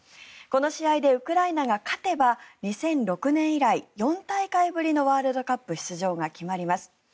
この試合でウクライナが勝てば２００６年以来４大会ぶりのワールドカップ出場が決まります。